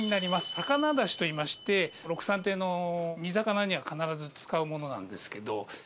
魚だしといいましてろくさん亭の煮魚には必ず使うものなんですけど。